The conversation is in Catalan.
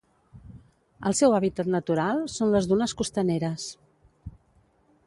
El seu hàbitat natural són les dunes costaneres.